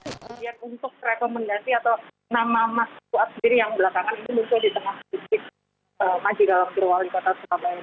kemudian untuk rekomendasi atau nama mas kuat sendiri yang belakangan itu muncul di tengah titik maji dalam juruwala di kota sumabaya